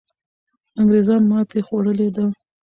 انګریزان ماتې خوړلې ده.